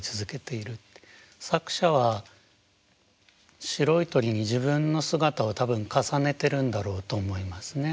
作者は白い鳥に自分の姿を多分重ねてるんだろうと思いますね。